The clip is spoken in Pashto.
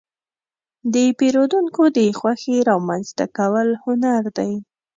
د پیرودونکو د خوښې رامنځته کول هنر دی.